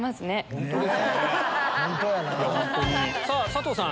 さぁ佐藤さん！